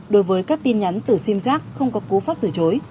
đối với các tin nhắn từ sim giác không có cú pháp từ chối